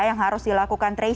yang harus dilakukan tracing